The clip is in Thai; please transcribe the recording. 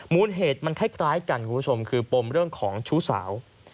เหตุมันคล้ายกันคุณผู้ชมคือปมเรื่องของชู้สาว